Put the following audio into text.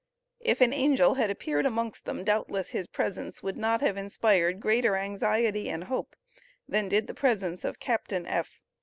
If an angel had appeared amongst them doubtless his presence would not have inspired greater anxiety and hope than did the presence of Captain F.